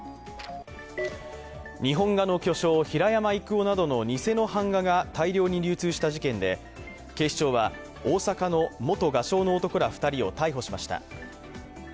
日本画の巨匠平山郁夫などの偽の版画が大量に流通した事件で警視庁は大阪の元画商の男ら２人を逮捕しました。